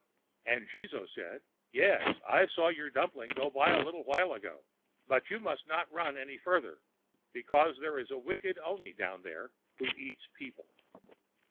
And Jizō said: "Yes, I saw your dumpling go by a little while ago. But you must not run any farther, because there is a wicked oni down there who eats people."